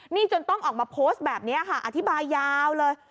นี่จนต้องออกมาโพสต์แบบนี้ค่ะอธิบายยาวเลย